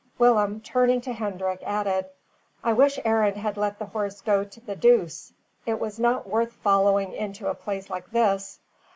Willem, turning to Hendrik, added, "I wish Arend had let the horse go to the deuce. It was not worth following into a place like this."